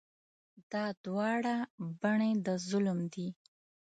دا دواړه بڼې د ظلم دي.